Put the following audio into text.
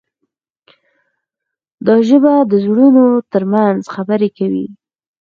دا ژبه د زړونو ترمنځ خبرې کوي.